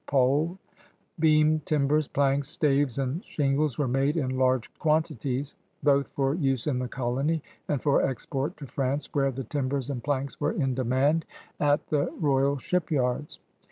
Beam timbers, planks, staves, and shingles were made in large quantities both for use in the colony and for export to France, where the timbers and planks were in demand at the 13 194 CRUSADEBS OF NEW FRANCE royal shipyards.